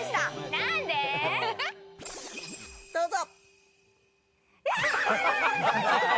どうぞ。